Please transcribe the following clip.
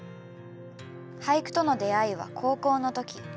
俳句との出会いは高校の時。